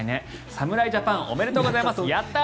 侍ジャパンおめでとうございますやったー